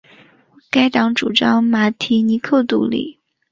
该党主张马提尼克独立。